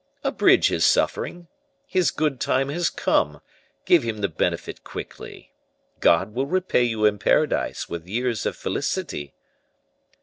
Abridge his suffering. His good time has come; give him the benefit quickly. God will repay you in Paradise with years of felicity."